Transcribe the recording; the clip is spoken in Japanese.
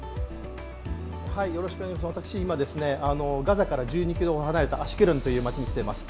私今、ガザから１２ｋｍほど離れたアシュケロンという街に来ています。